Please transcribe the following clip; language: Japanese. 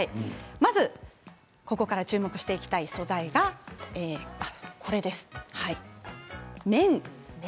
まずここから注目していきたい素材が綿。